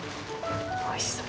おいしそう。